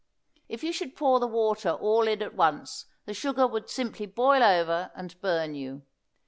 If you should pour the water all in at once the sugar would simply boil over and burn you.